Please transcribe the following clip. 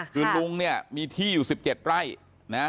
คือลุงเนี่ยมีที่อยู่๑๗ไร่นะ